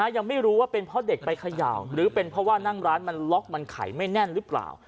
ยังไม่รู้ว่าเป็นเพราะเด็กไปเขย่าหรือเป็นเพราะว่านั่งร้านมันล็อกมันไขไม่แน่นหรือเปล่า